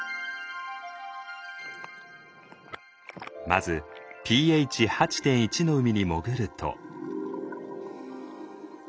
まずｐＨ８．１の海に潜ると。